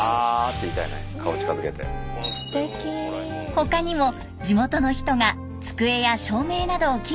他にも地元の人が机や照明などを寄付してくれました。